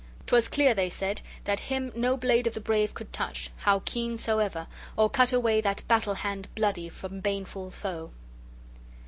'Twas clear, they said, that him no blade of the brave could touch, how keen soever, or cut away that battle hand bloody from baneful foe.